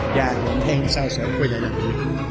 và dọn thang xa xã quay lại làm việc